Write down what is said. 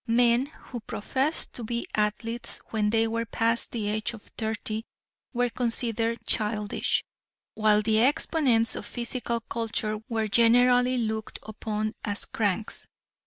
Men who professed to be athletes when they were past the age of thirty were considered childish, while the exponents of physical culture were generally looked upon as cranks.